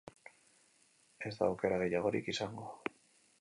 Ez da aukera gehiagorik izango.